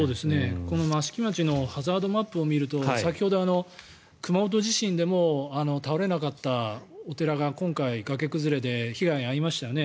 この益城町のハザードマップを見ると先ほど熊本地震でも倒れなかったお寺が今回、崖崩れで被害に遭いましたよね。